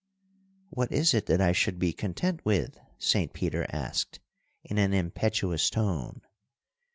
'What is it that I should be content with?' Saint Peter asked, in an impetuous tone.